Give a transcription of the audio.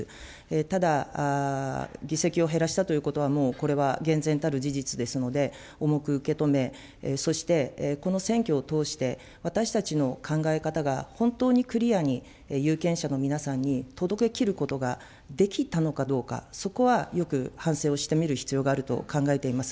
ただ、議席を減らしたということは、もうこれは厳然たる事実ですので重く受け止め、そして、この選挙を通して、私たちの考え方が本当にクリアに、有権者の皆さんに届けきることができたのかどうか、そこはよく反省をして見る必要があると考えています。